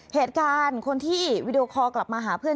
เหตุการณ์คนที่วีดีโอคอลกลับมาหาเพื่อน